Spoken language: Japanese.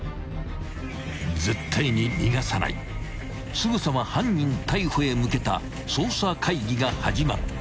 ［すぐさま犯人逮捕へ向けた捜査会議が始まった］